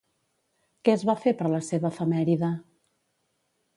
Què es va fer per la seva efemèride?